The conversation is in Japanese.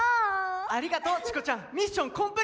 ありがとうチコちゃんミッションコンプリートだよ。